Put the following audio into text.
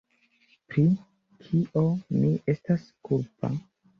Pri kio mi estas kulpa?